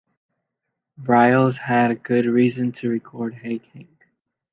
Briles had good reason to record Hey Hank.